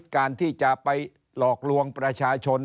การที่จะไปหลอกลวงประชาชน